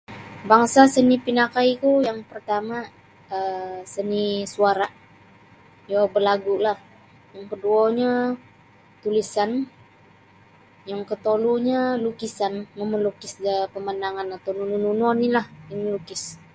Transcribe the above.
Bangsa seni pinakaiku yang partama' um seni suara' iyo balagu'lah yang koduonyo tulisan yang kotolunyo lukisan mamalukis da pamandangan atau nunu-nunu oni'lah seni lukis.